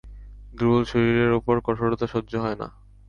দুর্বল শরীরের উপর কঠোরতা সহ্য হয় না।